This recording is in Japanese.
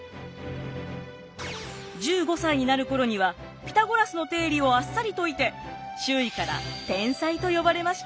１５歳になる頃にはピタゴラスの定理をあっさり解いて周囲から天才と呼ばれました。